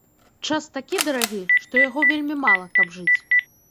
Час такі дарагі, што яго вельмі мала, каб жыць